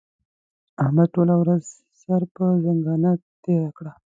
احمد ټوله ورځ سر پر ځنګانه تېره کړه.